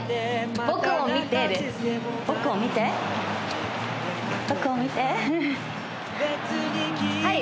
「僕を見て」です僕を見て僕を見てはい